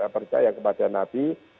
percaya kepada nabi